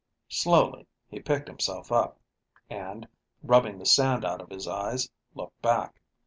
Slowly he picked himself up, and, rubbing the sand out of his eyes, looked back.